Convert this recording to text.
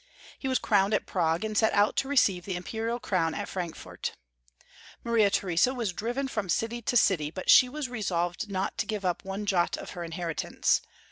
He was crowned at Prague, and set out to receive the Imperial crown at Frankfort. Maria Theresa was diiven from city to city, but she was resolved not to give up one jot of her in heritance.